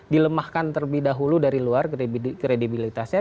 dilemahkan terlebih dahulu dari luar kredibilitasnya